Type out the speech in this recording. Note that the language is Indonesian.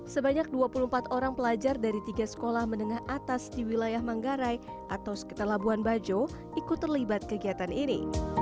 sebanyak dua puluh empat orang pelajar dari tiga sekolah menengah atas di wilayah manggarai atau sekitar labuan bajo ikut terlibat kegiatan ini